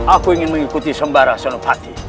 aku ingin mengikuti sembara seluruh paki